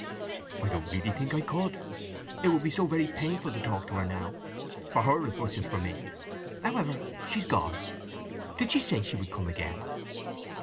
"I don't really think I could. It would be so very painful to talk to her now—for her as much as for me. However, she's gone. Did she say she would come again?"